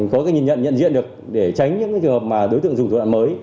có cái nhìn nhận nhận diện được để tránh những thủ đoạn mà đối tượng dùng thủ đoạn mới